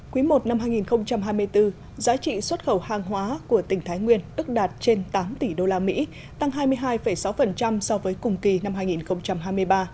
quý i năm hai nghìn hai mươi bốn giá trị xuất khẩu hàng hóa của tỉnh thái nguyên ước đạt trên tám tỷ usd tăng hai mươi hai sáu so với cùng kỳ năm hai nghìn hai mươi ba